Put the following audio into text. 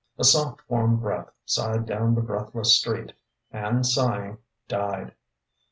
A soft, warm breath sighed down the breathless street, and sighing, died.